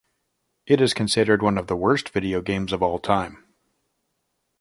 It is considered one of the worst video games of all time.